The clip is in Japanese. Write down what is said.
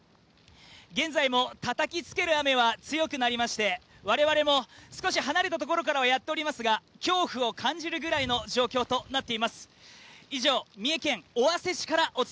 現在もたたきつける雨は強くなりまして我々も少し離れたところではやっておりますが恐怖を感じるぐらいの状況となっています。